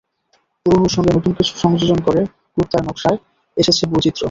পুরোনোর সঙ্গে নতুন কিছু সংযোজন করে কুর্তার নকশায় এসেছে বৈচিত্র্য।